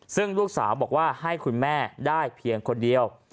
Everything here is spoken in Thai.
ซึ่งลูกสาวบอกว่าให้คุณแม่ได้เพียงคนเดียว